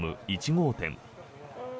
１号店。